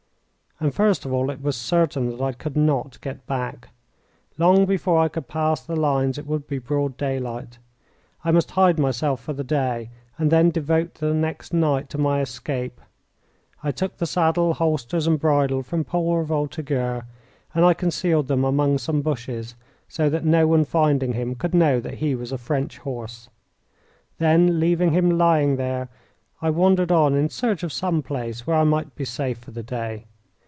And first of all it was certain that I could not get back. Long before I could pass the lines it would be broad daylight. I must hide myself for the day, and then devote the next night to my escape. I took the saddle, holsters, and bridle from poor Voltigeur, and I concealed them among some bushes, so that no one finding him could know that he was a French horse. Then, leaving him lying there, I wandered on in search of some place where I might be safe for the day.